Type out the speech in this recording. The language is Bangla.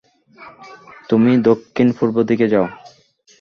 তুমি দক্ষিণ পূর্ব দিকে যাও।